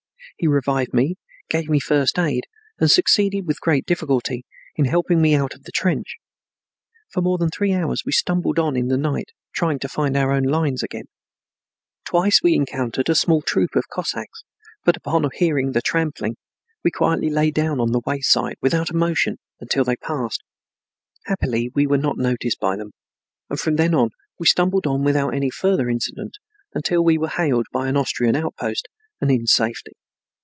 He revived me, gave me first aid, and succeeded with great difficulty in helping me out of the trench. For more than three hours we stumbled on in the night, trying to find our lines again. Twice we encountered a small troop of Cossacks, but upon hearing the tramping we quietly lay down on the wayside without a motion until they had passed. Happily we were not noticed by them, and from then we stumbled on without any further incident until we were hailed by an Austrian outpost and in safety.